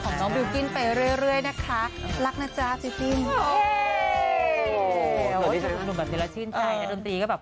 ให้นึกเป็นของฉันคนเดียวได้มา